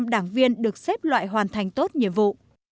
một trăm linh đảng viên được xếp loại hoàn thành tốt nhiệm vụ